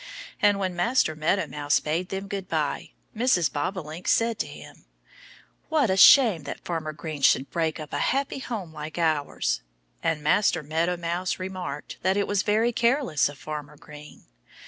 And when Master Meadow Mouse bade them good by Mrs. Bobolink said to him, "What a shame that Farmer Green should break up a happy home like ours!" And Master Meadow Mouse remarked that it was very careless of Farmer Green.